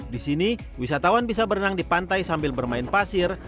di sini wisatawan bisa berenang di pantai sambil bermain pasir